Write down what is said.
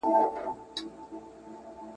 بېګانه سي له وطنه له خپلوانو ..